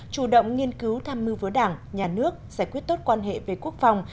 chủ động nghiên cứu tham mưu với đảng nhà nước giải quyết tốt quan hệ về quốc phòng